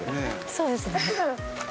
そうですね。